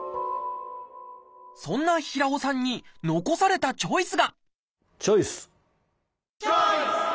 そんな平尾さんに残されたチョイスがチョイス！